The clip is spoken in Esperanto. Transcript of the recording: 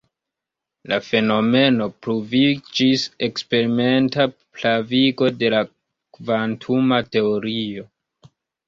La fenomeno pruviĝis eksperimenta pravigo de la kvantuma teorio.